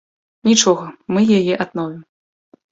Нічога, мы яе адновім.